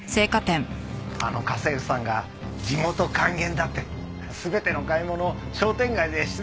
あの家政婦さんが地元還元だって全ての買い物を商店街でしてたから。